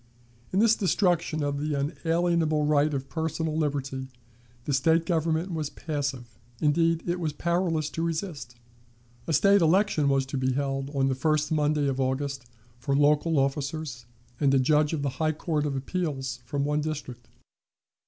In this destruction of the unalienable right of personal liberty, the State government was passive; indeed, it was powerless to resist. A State election was to be held on the first Monday of August for local officers and a Judge of the High Court of Appeals from one district.